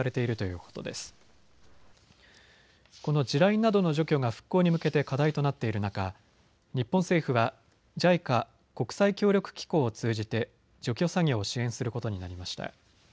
この地雷などの除去が復興に向けて課題となっている中、日本政府はＪＩＣＡ・国際協力機構を通じて除去作業を支援することになりました。